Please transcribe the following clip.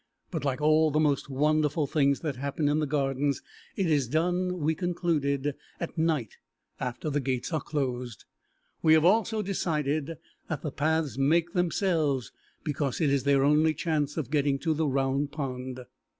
But, like all the most wonderful things that happen in the Gardens, it is done, we concluded, at night after the gates are closed. We have also decided that the paths make themselves because it is their only chance of getting to the Round Pond.